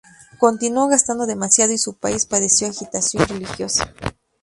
Continuó gastando demasiado, y su país padeció agitación religiosa.